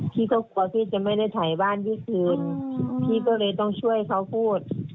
พี่ก็กลัวที่จะไม่ได้ถ่ายบ้านพี่คืนพี่ก็เลยต้องช่วยเขาพูด